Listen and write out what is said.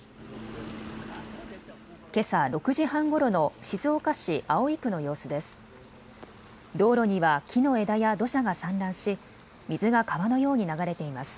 けさ６時半ごろの静岡市葵区の様子です。